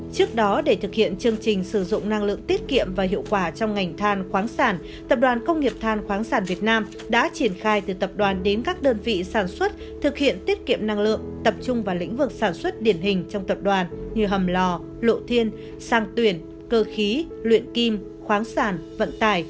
trước đó để thực hiện chương trình sử dụng năng lượng tiết kiệm và hiệu quả trong ngành than khoáng sản tập đoàn công nghiệp than khoáng sản việt nam đã triển khai từ tập đoàn đến các đơn vị sản xuất thực hiện tiết kiệm năng lượng tập trung vào lĩnh vực sản xuất điển hình trong tập đoàn như hầm lò lộ thiên sang tuyển cơ khí luyện kim khoáng sản vận tải